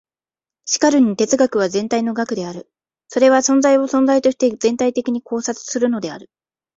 しかるに哲学は全体の学である。それは存在を存在として全体的に考察するのである。